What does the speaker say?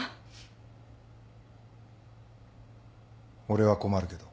俺は困るけど。